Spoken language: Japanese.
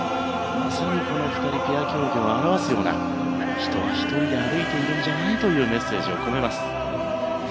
まさにこの２人ペア競技を表すような人は１人で歩いているんじゃないという思いを込めます。